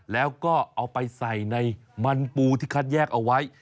แล้วก็เอาไปใส่ในมันปูที่คัดแยกเอาไว้